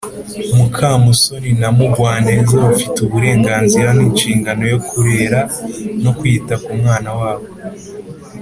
mukamusoni na mugwaneza bafite uburenganzira n’inshingano yo kurera no kwita ku mwana wabo.